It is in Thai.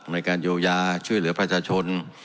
ในการเยียวยาช่วยเหลือประชาชน